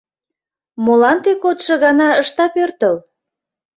Молан те кодшо гана ышда пӧртыл?